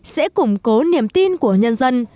sẽ củng cố niềm tin của nhân dân